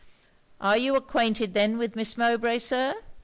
'Are you acquainted then with Miss Mowbray, Sir?'